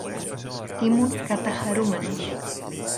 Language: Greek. Ήμουν καταχαρούμενος